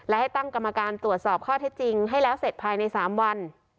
และให้ตั้งกรรมการตรวจสอบข้อเท็จจริงให้แล้วเสร็จภายใน๓วัน